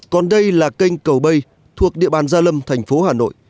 còn đây là kênh cầu bay thuộc địa bàn gia lâm thành phố hà nội